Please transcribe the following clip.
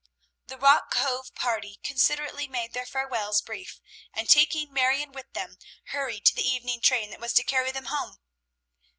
The Rock Cove party considerately made their farewells brief, and taking Marion with them hurried to the evening train that was to carry them home.